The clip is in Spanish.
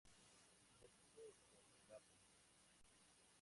No pudo controlarlo.